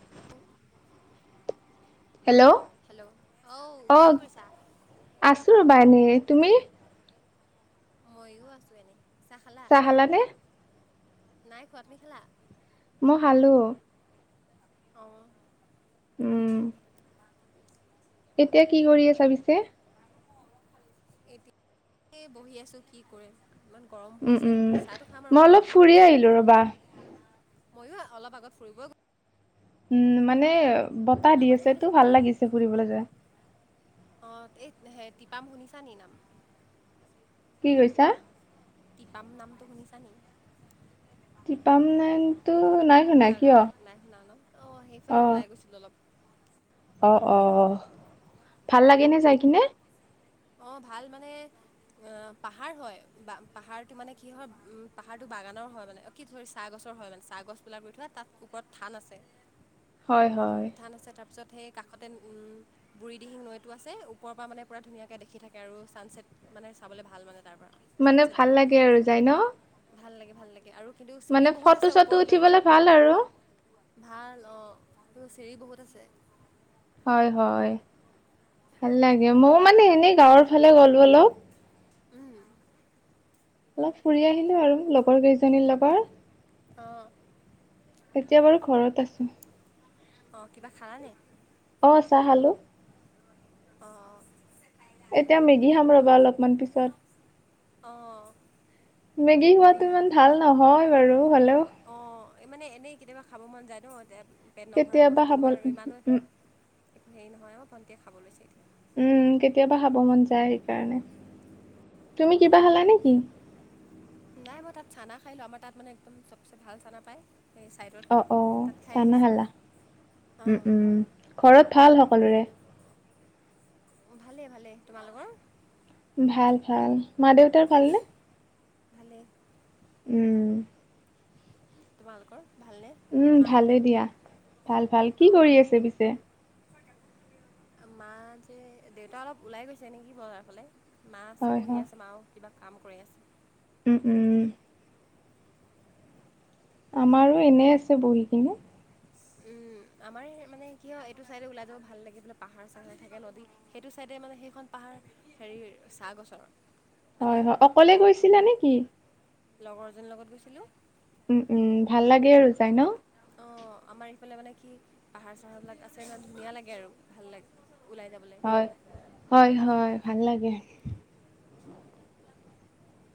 উফ [unintelligible] হেল্ল' কি অঁ কৰিছা আছোঁ ৰ'বা ইনে তুমি ময়ো আছো এনেই চাহ খালা চাহালানে [unintelligible] নাই খোৱা তোমি খালা মই খালোঁ আহ উম এতিয়া কি কৰি আছা পিছে [unintelligible] এতিয়া বহি আছো কি কৰে উম উম মই অলপ ফুৰি আহিলো ৰবা মইও অলপ আগত ফুৰিবই গ'ল [unintelligible] উম মানে বতাহ দি আমাৰ আছে এইফালে তো ভাল লাগিছে ফুৰিবলৈ যে। অ এই হে তিপাম শুনিছা নি নাম কি কৈছা? তিপাম নামটো শুনিছা নি? টিপাম নামটৌ নাই শুনা কিয় জেগাৰ নাই শুনা ন অঁ সেইফালে অ ওলাই গৈছিলোঁ অলপ অ অ ভাল লাগে নে যাই কিনে অ ভাল মানে অ পাহাৰ হয় বা পাহাৰতটো মানে কি হয় উম পাহাৰতটো বাগানৰ হয় মানে কি ধৰি চাহ গছ হয় মানে চাহ গছ বিলাক ৰু থোৱা তাত ওপৰত ধান আছে হয় ওপৰত হয় ধান আছে তাৰ ত পিছ সেই কাষতে বুঢ়ীদিহিং নৈটো আছে ওপৰ পৰা মানে পুৰা ধুনীয়াক দেখি থাকে আৰু ছানচছেট মানে চাবলৈ ভাল মানে তাৰ পৰা মানে ছানছেট ভাল ভিউটো লাগে আৰু যাই ন ভাল লাগে ভাল লাগে আৰু কিন্তু চিৰি মানে বহুত ফটো আছে চটো ওপৰলৈকে উঠিবলে ভাল আৰু ভাল অ এই চিৰি বহুত আছে হয় হয় ভাল লাগে ময়ও মানে এনেই গাঁৱৰ ফালে গ'লো অলপ অলপ ফুৰি আহিলো আৰু লগৰ কেইজনীৰ লগত আহ এতিয়া বাৰু ঘৰত আছো অ কিবা খালা নে অ চাহ খালো অ অ এতিয়া মেগী খাম ৰবা অলপমান পিছত আহ মেগী খোৱাতটো ইমান ভাল নহয় বাৰু হ'লেও অঁ মানে এনেই কেতিয়াবা খাব মন যায় ন যে কেতিয়াবা হব উম হেৰি নহয় মই ভণ্টিয়ে খাব লৈছে এয়া উম কেতিয়াবা খাব মন যায় সেইকাৰণে তুমি কিবা খালা নেকি নাই মই তাত চানা খাই লো আমাৰ তাত মানে একদম চবচে জাল চানা পাই [unintelligible] অ অ চানা খালা উম অঁ উম ঘৰত ভাল হ [unintelligible] সকলোৰে ভালেই ভালে। তোমালোকৰ? ভাল ভাল। মা দেউতাৰ ভালনে? ভালে। উম। তোমালোকৰ ভালনে উম মা দেউতাৰ ভালেই দিয়া ভাল ভাল। কি অঁ কৰি আছে পিছে? মা যে দেউতা অলপ ওলাই গৈছে নেকি বজাৰ ফালে। মা আছে হয় বহি আছে মাৰু কিবা কাম কৰি আছে। উম-উম। আমাৰো এনে আছে বহি কিনে। উম। আমাৰ মানে কি হয় এইটো চাইডে ওলাই যাব ভাল লাগে, পাহাৰ চাহাৰ থাকে নদী, সেইটো চাইদে মানে সেইখন পাহাৰ হেৰিৰ চাহ গছৰ। মানে হয়-হয় অকলে ওখ ওখ গৈছিলা বহুত নে কি? লগৰজনীৰ লগত গৈছিলো। উম-উম ভাল লাগে আৰু যাই ন? [unintelligible] অঁ আমাৰ ইফালে মানে কি পাহাৰ চাহাৰবিলাক আছে ইমান ধুনীয়া লাগে আৰু ভাল লাগে [unintelligible] [unintelligible] হয়-হয়-হয় ভাল লাগে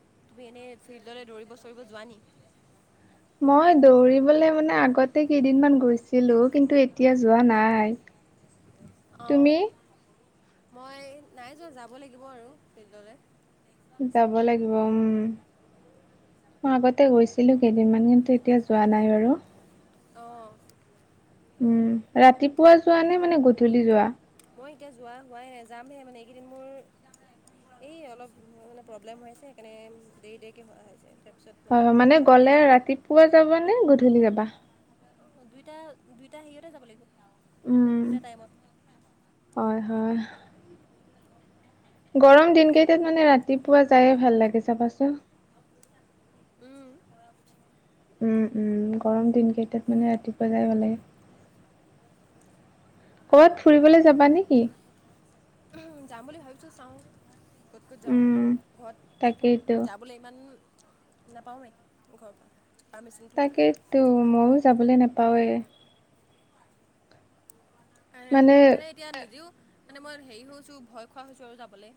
[unintelligible] তুমি এনেই ফিল্ডৰে দৌৰিব চৰিব যোৱা নেকি [unintelligible] [unintelligible] মই দৌৰিবলৈ মানে আগতে কেইদিনমান গৈছিলো কিন্তু এতিয়া যোৱা নাই [unintelligible] [unintelligible] অঁ তুমি? [unintelligible] মই নাই যোৱা যাব লাগিব আৰু ফিল্ডলে যাব লাগিব উম। মই আগতে গৈছিলো কেইদিনমান কিন্তু এতিয়া যোৱা নাই বাৰু। আহ। উম ৰাতিপুৱা যোৱা নে মানে গধূলি যোৱা? মই এতিয়া যোৱা হোৱাই নাই যামহে মানে এইকেইদিন মোৰ এই অলপ মানে প্ৰব্লেম হৈ আছে সেইকাৰণে দেৰি দেৰিকে হ হৈছে। তাৰপিছত হয় হয় মানে সোনকালে শুই উঠি গ'লে যাব লাগিব ৰাতিপুৱা যাবা নে গধূলি যাবা? দুইটা দুইটা হেৰিতে যাব লাগিব। উম দুইটা টাইমত হয়-হয়। গৰম দিন কেইটাত মানে ৰাতিপুৱা যায়ে ভাল লাগে চাবাচোন। উম। উম-উম গৰম দিনকেইটাত মানে ৰাতিপুৱা যাই ভাল লাগে। ক'ৰবাত ফুৰিবলৈ যাবা নেকি? ‌ উম যাম বুলি ভাবিছো চাওঁ। ক'ত ক'ত যাওঁ উম। ঘৰত দেখোন তাকেইতো, যাবলৈ ইমান নাপাওৱেই ঘৰৰ পৰা। পাৰ্মিশ্যনটো তাক‌ইতো ময়ো যাবলৈ নাপাওঁৱেই। উম মানে এতিয়া আজিও মানে মই হেৰি হৈছো ভয় খোৱা হৈছো আৰু যাবলে।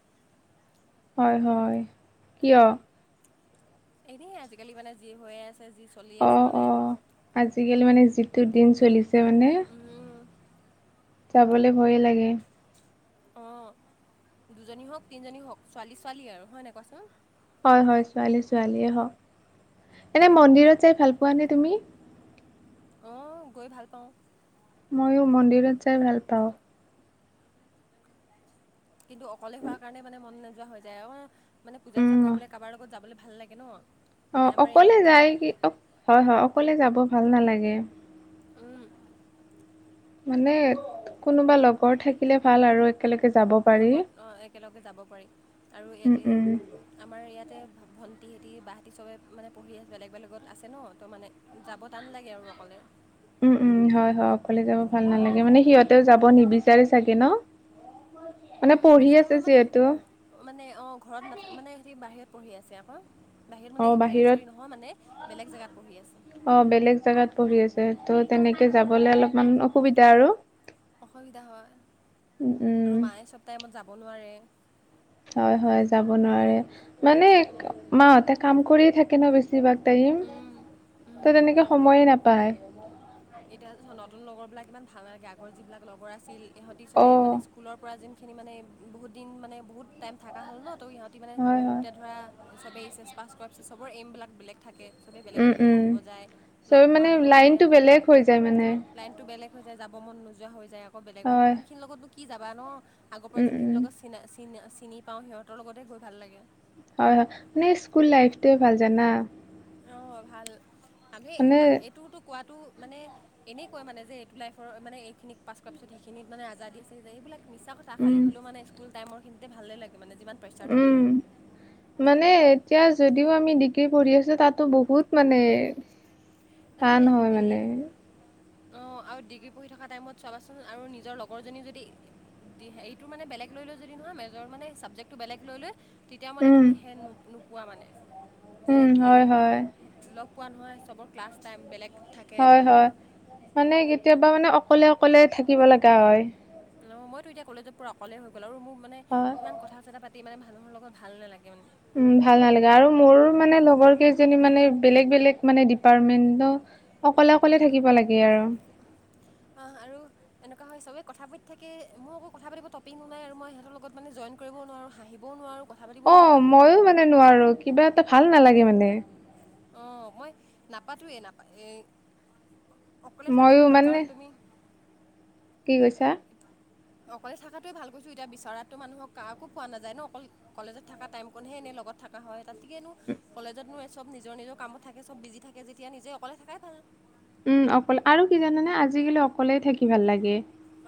হয়-হয়, কিয়? এনেই আজিকালি মানে যি হৈ আছে। যি চলি আছে অ-অ মানে আজিকালি মানে যিটো দিন চলিছে মানে [unintelligible] যাবলে ভয় লাগে। অ দুজনী হওক তিনিজনী হওক ছোৱালী-ছোৱালী আৰু। হয় নাই কোৱাচোন? হয়-হয় ছোৱালী-ছোৱালীয়ে হওক এনে মন্দিৰত যাই ভাল পোৱানে তুমি? আহ গৈ ভাল পাওঁ। [unintelligible] মইয়ো মন্দিৰত যাই ভাল পাওঁ [unintelligible] কিন্তু অকলে হোৱাৰ কাৰণে মানে মন নোযোৱা হৈ যায় অ মানে পূজা-চূজা উম, কৰিবলৈ কাৰোবাৰ লগত যাবলৈ ভাল লাগে ন [unintelligible] [unintelligible] অ আমাৰ ইয়াত অকলে যায় কি অ হয় হয় অকলে যাব ভাল নালাগে এতিয়া [unintelligible] মানে কোনোবা লগৰ থাকিলে ভাল আৰু একেলগে যাব পাৰি লগত [unintelligible] একেলগে যাব পাৰি আৰু উম ইয়াতে উম আমাৰ ইয়াত [unintelligible] তাতে ভণ্টি হেঁতি বাহেঁতি চবে মানে পঢ়ি আছে বেলেগ বেলেগত আছে ন ত' মানে যাব টান লাগে আৰু [unintelligible] অকলে [unintelligible] উম-উম হয়-হয় অকলে যাব ভাল নালাগে মানে সিহঁতেও যাব নিবিচাৰে চাগে ন মানে উম পঢ়ি বিচাৰ আছে মানে যিহেতু মানে অ ঘৰত না মানে সেতি বাহিৰত পঢ়ি আছে আকৌ। বাহিৰত মানে বাহিৰত চৰি নহয় মানে বেলেগ জেগাত পঢ়ি আছে। অ' বেলেগ জেগাত পঢ়ি আছে ত' তেনেকে উম, যাবলে অলপমান অসুবিধা আৰু। অসুবিধা হয় উম উম আৰু মায়ে চব টাইমত যাব নোৱাৰে। হয় হয় যাব নোৱাৰে মানে মাহতে কাম কৰি থাকে ন বেছি বেছিভাগ টাইম উম উম তো তেনেকৈ সময়ে নাপায়। এতিয়া নতুন লগৰ বিলাক ইমান ভাল নালাগে আগৰ যিবিলাক লগৰ আছিল ইহঁতি চবে অ' মানে স্কুলৰ পৰা যোনখিনি মানে বহুত দিন মানে বহুত টাইম থকা হ'ল ন তো সিহঁতি মানে হয় হয় এতিয়া ধৰা চবেই এইচ এছ পাছ কৰা পিছে চবৰ এইমবিলাক বেলেগ থাকে। চবেই বেলেগ উম বেলেগত উম পঢ়িব যায় চবে লগ পোৱা মানে নহয় এতিয়া। লাইনটো বেলেগ হৈ যায় মানে। লাইনটো বেলেগ হৈ যায় যাব মন নোযোৱা হৈ যায়, আকৌ বেলেগৰ হয় নতুন খিনিৰ লগতো কি যাবা ন? আগৰ পৰা উম যোন খিনি উম লগত চিনা চিনা চিনি পাওঁ সিহঁতৰ লগতে গৈ ভাল লাগে। হয় হয় মানে স্কুল লাইফটোৱে ভাল জানা। অ ভাল মানুহে মানে এইটোতো কোৱাটো মানে এনেই কোৱা মানে যে এইটো লাইফৰ মানে এইখিনিক পাছ কৰাৰ পিছত সেইখিনিত মানে আজাৰ দি আছে যে এইবিলাক [unintelligible] মিছ কথা খাল উম হ'লেও মান স্কুল টাইমখিনতে ভাল লাগে। মানে যিমান প্ৰেছাৰ উম থাকিলোঁ। মানে এতিয়া যদিও আমি ডিগ্ৰী পঢ়ি আছো তাতো বহুত মানে টান হয় মানে অ আৰু ডিগ্ৰী পঢ়ি থকা টাইমত চাবাচোন আৰু নিজৰ লগৰজনী যদি এইটো মানে বেলেগ লৈ লও যদি হা মেজৰ মানে চাবজেক্টটো বেলেগ লৈ লৈ তেতিয়া মানে উম তুমি সেই নো নোপোৱা মানে [unintelligible] যে উম হয় হয় লগ পোৱা নহয় চবৰ ক্লাছ টাইম বেলেগ থাকে হয় হয় মানে কেতিয়াবা মানে অকলে অকলে থাকিব লগা হয় অঁ মইতো এতিয়া কলেজত পূৰা অকলেই হৈ গ'ল আৰু মোক মানে হয় ইমান কথা চথা পাতি মানে মানুহৰ লগত ভাল নালাগে মানে উম ভাল নালাগে আৰু মোৰ মানে লগৰ কেইজনী মানে বেলেগ বেলেগ মানে ডিপাৰ্টমেন্ট অকলে অকলে থাকিব লাগে আৰু অ', আৰু এনেকুৱা হয় চবেই কথা পাতি থাকে মোৰ আকৌ কথা পাতিব টপিক নোলাই মই সিহঁতৰ লগত মানে জইন কৰিবও নোৱাৰোঁ হাঁহিবও নোৱাৰো। অ মইয়ো মানে নোৱাৰো কিবা এটা ভাল নালাগে মানে। অ মই নাপাতোয়ে নাপা এ অকলে থাকাতটো ময়ো ভাল মানে কাৰণ তুমি কি কৈছা? অকলে থকাতোৱে ভাল কৈছো এতিয়া বিচৰা মানুহক কাকো পোৱা নাযায় ন অকল কলেজত থকা টাইম কন হে লগত থকা হয় তাতকেনো কলেজতনো চব নিজৰ নিজৰ কামত থাকে চব বিজি থাকে যেতিয়া নিজে অকলে থকাই ভাল। উম অকল আৰু কি জানানে আজিকালি অকলেই থাকি ভাল লাগে।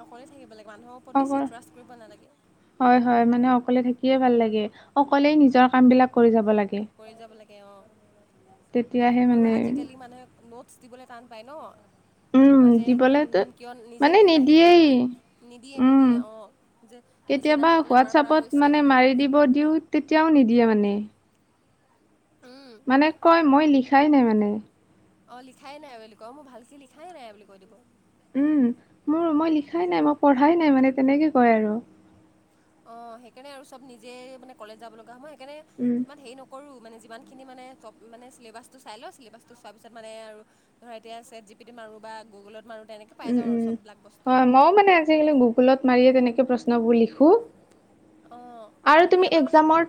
অকলে থাকিব লাগে। মানুহৰ ওপৰত বেছি অকল ট্ৰাষ্ট কৰিব নালাগে হয় হয় মানে অকলে থাকি - কৰিয়ে ভাল লাগে অকলে নিজৰ কাম বিলাক কৰি যাব লাগে কৰি যাব লাগে অ তেতিয়াহে আৰু মানে আজিকালি মানে নোটছ দিবলৈ টান পাই ন। উম। অ যে দিবলেতো কিয় নিজে মানে কিয় নাহিলে নিদিয়েই বুলি নিদিয়ে উম। নিদিয়ে অ যে নি। কেতিয়াবা হোৱাটছআপত মানে মাৰি দিব দিওঁ তেতিয়াও নিদিয়ে মানে। উম মানে কয় মই লিখাই নাই মানে। অ লিখাই নাই বুলি কয় মোৰ ভালকে লিখাই নাই বুলি কৈ দিব। উম মোৰ মই লিখাই নাই মই পঢ়াই নাই মানে তেনেকে কয় আৰু। অ সেইকাৰণে আৰু চব নিজে মানে কলেজ যাব লগা হয় মই সেইকাৰণে উম, ইমান হেৰি নকৰো। মানে যিমান খিনি মান মানে চিলেবাচ টো চাই লওঁ চিলেবাচ টো চোৱা পিছত মানে আৰু ধৰা এতিয়া চেট জিপিতি মাৰো। ৰ বা গুগলত মাৰো। উম উম হয় মইো মানে আজিকালি গুগলত মাৰিয়ে তেনেকে প্ৰশ্নবোৰ লিখোঁ। অঁ আৰু তেনেকৈ তুমি আমাৰ মানে একজামৰ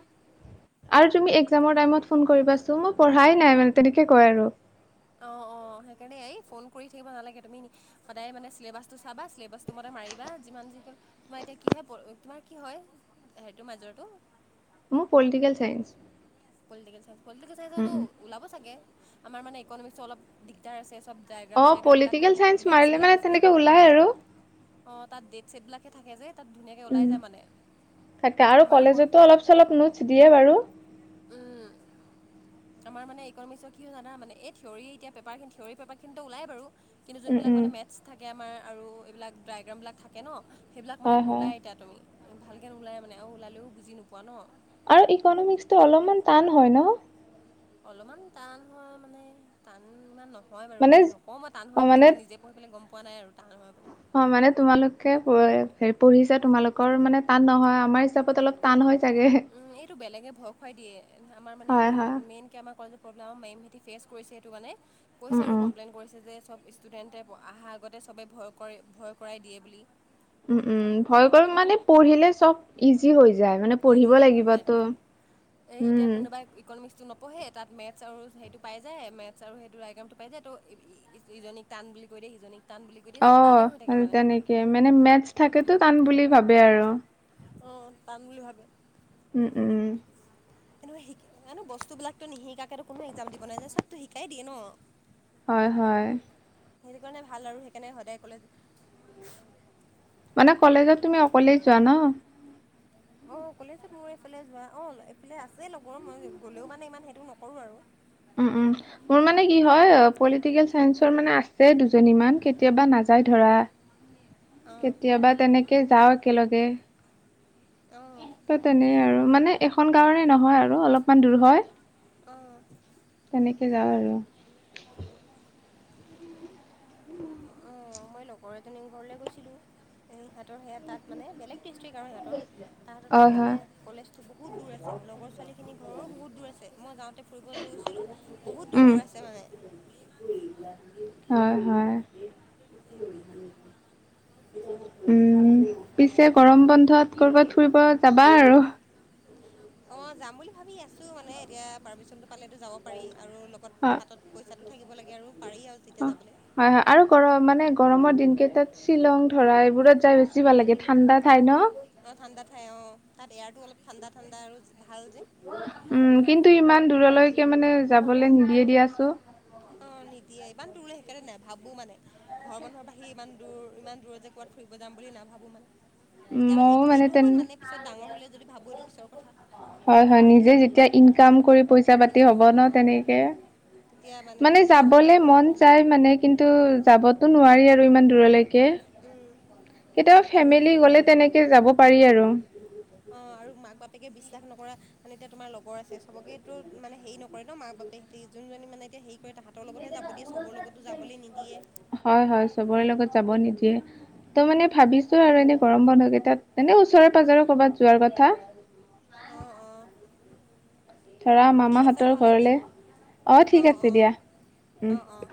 আৰু তুমি একজাম। টেমৰ টাইমত ফন কৰিবাচোন মোৰ পঢ়াই নাই মা তেনেকে কয় আৰু। অ অ। অ সেইকাৰণে এই ফোন কৰি থাকিব নালাগে তুমি সদায় মানে চিলেবাচটো চাবা চেলেবাচ টো মতে মাৰিবা যিমান। তোমাৰ এতিয়া কিহে তোমাৰ কি হয় হেটো মাজৰটো। মোৰ political science. Political science political science উম, তো উম। ওলাব চাগে আমাৰ মানে ইকনমিক্সটো অলপ দিগদাৰ আছে ড্ৰাইগাম অ', চাইগ্ৰাম বিলাক পলিটিকেল চাইন্স মেছ‌ মাৰিলে বিলাক মানে আছে যে তেনেকে ওলাই আৰু। অ তাত ডেট চেট বিলাক থাকে যে তাত ধুনীয়াকৈ ওলাই উম যায় মানে তাকে আৰু আমাৰ আকৌ কলেজতো অলপ চলপ নোটছ দিয়ে বাৰু উম আমাৰ মানে ইকনমিক্সত কি হয় জানা মানে এই থিয়ৰি এতিয়া পেপাৰ থিয়ৰি পেপাৰখিনিতো ওলাই বাৰু [unintelligible] কিন্তু উম, যোনবিলাক মানে উম। মেথছ থাকে আমাৰ আৰু এইবিলাক ড্ৰায়গ্ৰাম বিলাক থাকে ন। সেইবিলাক মানে হয় হয় নোলায় এতিয়া তুমি ভালকে নোলাই মানে আৰু ওলালেও বুজি নোপোৱা ন'। আৰু ইকনমিক্সত টো অলপমান টান হয় ন। অলপমান টান হোৱা মানে টান ইমান ন। হয় বাৰু মানে দেই নকওঁ মই টান অ হয় বুলি মানে মই নিজে পঢ়ি পেলাই গম পোৱা নাই আৰু। টান হয় বুলি অ মানে তোমালোকে হেৰি পঢ়িছে তোমালোকৰ মানে টান নহয় আমাৰ হিচাপত অলপ টান হয়। চাগে উম এইটো বেলেগে ভয় খুৱাই দিয়ে আমাৰ মানে হয় এইটো হয় মেইন কে আমাৰ কলে প্ৰব্লেম মেম। ফেচ কৰিছে সেইটো কাৰণে কৈছে উম আৰু উম কমপ্লেইন কৰিছে যে। চব ষ্টুডেণ্টে অহাৰ আগতে চবেই ভয় কৰে ভয় কৰাই দিয়ে বুলি। উম উম ভয় কৰক মানে পঢ়িলে চব ইজি হৈ য। এজিয়ে হৈ যায় এ এতিয়া উম কোনোবা ইকনমিক্সতো ন। পঢ়ে তাত মেথছ আৰু সেইটো পাই যায় মেথছ আৰু সেইটো আয়গ্ৰামটো পাই যায় তো ইজনীক টান বুলি কৈ দিয়ে সিজনীক। টান বুলি কৈ দিয়ে অ চব টানেই হৈ থাকে মানে তেনেকে মানে মেথছ থাকেতো টান বুলি ভাবে আৰু। অ টান বুলি ভাবি। উম উম। এনেক‌ও শি মানো বস্তু বিলাকো নিশিকাকে কোনো এক্জাম দিব নাযায় চবতো শিকাই দিয়ে ন। হয় হয়। সেইটো কাৰণে ভাল আৰু সেইকাৰণে সদায় কলেজ। মানে কলেজত তুমি অকলেই যোৱা ন। অ কলেজত মোৰ এইফালে যোৱা অ এইফালে আছে লগৰ মই গ'লেও মানে ইমান সেইটো নকৰো আৰু। উম উম মোৰ মানে কি হয় পলিটিকেল চাইন্সৰ মানে আছে দুজ। দুজনীমান কেতিয়াবা নাযায় উম, ধৰা অঁ কেতিয়াবা তেনেকে যাও একেলগে। অঁ ত তেনে আৰু মানে এখন গাঁৱৰে নহয় আৰু অলপমান দূৰ হয়। অ'। সে যাওঁ আৰু। অ মই লগৰ এজনী ঘৰলৈ গৈছিলো হিহেতৰ সেয়াত। তাত মানে বেলেগ ডিষ্ট্ৰিক্ট আৰু সিহঁতৰ তাহঁত হয়, তাত মানে হয়, কলেজটো বহুত দূৰ আছে লগৰ ছোৱালীখিনি ঘৰৰো বহুত। দুৰ আছে মই যাওঁ। এতিয়া ফুৰিব যে গৈছিলো বহুত দূৰ উম, দূৰ আছে মানে হয়, হয়, ম আ চাইছ তম [unintelligible] কোনে উম পিছে গৰম বন্ধত ক'বাত ফুৰিব যাবা আৰু অহ যাম বুলি ভাবি আছো মানে এতিয়া পাৰ্মিচন টো পালো যাব পাৰি আৰু লগত হাতত পইচাটো থাকিব লাগে আৰু পাৰি আৰু যেতিয়া অহ যাবলৈ হয় হয় আৰু গৰম মানে গৰমৰ দিনকেই তাত শ্বিলং ধৰা এইবোৰত ঠাই বেছি ভাল লাগে ঠাণ্ডা ঠাই ন অঁ ঠাণ্ডা ঠাই অঁ তাত এয়াৰটো অলপ ঠাণ্ডা ঠাণ্ডা আৰু ভাল যে উম কিন্তু ইমান দূৰলৈকে মানে যাবলৈ নিদিয়ে দিয়াছো অহ নিদিয়ে ইমান দূৰলৈ সেইকাৰণে নে ভাবো মানে ঘৰৰ মানুহৰ বাহিৰে ইমান দূৰ ইমান দূৰ যে কবাত ফুৰিব যাম বুলি নাভাবো মানে এতিয়া মানে ময়ো এইটো তেন সময় মানে পিছত ডাঙৰ হলেও যদি ভাবো এইটো পিছত হয় হয় নিজে যেতিয়া ইনকাম কৰি পইচা পাতি এনেকুৱা হ'ব ন অ', তেনেকে তেতিয়া মানে যাব পৰা যাবলে হ'ব মন যায় মানে কিন্তু যাব তো নোৱাৰি আৰু ইমান দূৰলৈকে উম, কেতিয়াবা আৰু ফেমিলি গলে তেনেকে যাব পাৰি আৰু। অ', আৰু মাক বাপেকে বিশ্বাস নকৰা মানে এতিয়া তোমাৰ লগৰ আছে চবকেটো মানে হেৰি নকৰে ন মাক বাপেকহতি যোনজনী মানে এতিয়া হেই। ত তাহাতৰ লগতহে যাব দিয়ে চবৰ লগতো যাবলৈ নিদিয়ে। হয় হয় চবৰে লগত যাব নিদিয়ে। ত' মানে ভাবিছো আৰু এনেই গৰম বন্ধ কেইটাত এনে ওচৰে পাজৰে কৰ'বাত যোৱাৰ কথা। অহ অহ ধৰা মামাহঁতৰ নহ'লে দিয়া ঘৰলে অহ ঠিক অ', আছে অ', দিয়া উম অ', অ'।